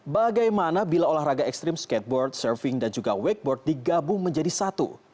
bagaimana bila olahraga ekstrim skateboard surfing dan juga wakeboard digabung menjadi satu